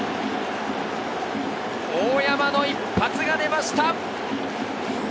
大山の一発が出ました。